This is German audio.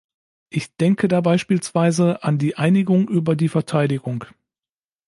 Ich denke da beispielsweise an die Einigung über die Verteidigung.